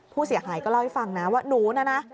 ผู้เสียหายก็เล่าให้ฟังนะว่าหนูนะนะ